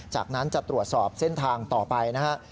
จากนั้นจะตรวจสอบเส้นทางต่อไปนะฮะ